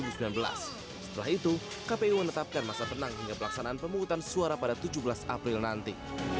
setelah itu kpu menetapkan masa tenang hingga pelaksanaan pemungutan suara pada tujuh belas april nanti